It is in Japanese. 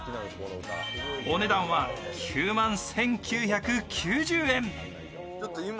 お値段は、９万１９９０円。